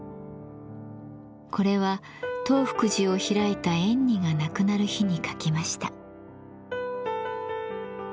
これは東福寺を開いた円爾が亡くなる日に書きました。